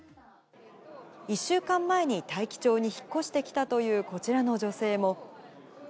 １週間前に大樹町に引っ越してきたというこちらの女性も。